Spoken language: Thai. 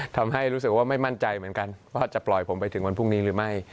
ทำให้รู้สึกว่าไม่มั่นใจเหมือนกันว่าจะปล่อยผมไปถึงวันพรุ่งนี้หรือไม่